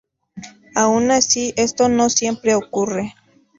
Aun así, esto no siempre ocurre.